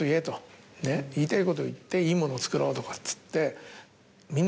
言いたいこと言っていいもの作ろうとかっつって。